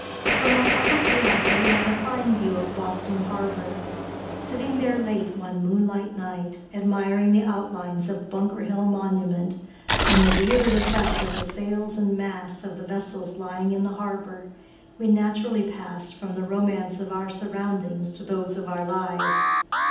From our upper piazza we had a fine view of Boston harbor. Sitting there late one moonlight night, admiring the outlines of Bunker Hill Monument and the weird effect of the sails and masts of the vessels lying in the harbor, we naturally passed from the romance of our surroundings to those of our lives.